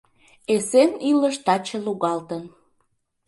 Эсен илыш таче лугалтын.